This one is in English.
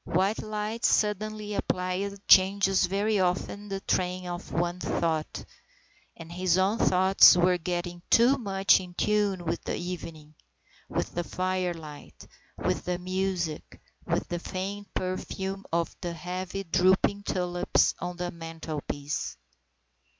White light suddenly applied changes very often the train of one's thought, and his own thoughts were getting too much in tune with the evening, with the firelight, with the music, with the faint perfume of the heavy drooping tulips on the mantelpiece.